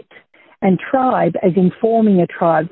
dan tribe adalah pembentukan tribe